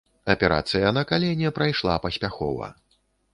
Аперацыя на калене прайшла паспяхова.